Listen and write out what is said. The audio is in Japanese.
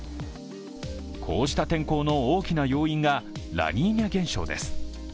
こうした天候の大きな要因がラニーニャ現象です。